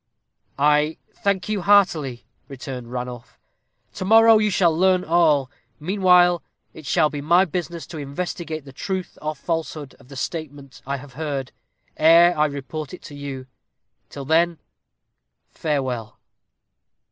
"I thank you heartily," returned Ranulph. "To morrow you shall learn all. Meanwhile, it shall be my business to investigate the truth or falsehood of the statement I have heard, ere I report it to you. Till then, farewell."